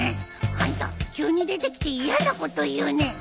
あんた急に出てきて嫌なこと言うね。